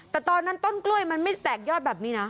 แต่ตอนนั้นต้นกล้วยมันไม่แตกยอดแบบนี้นะ